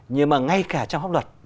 nhưng mà ngay cả trong hốc luật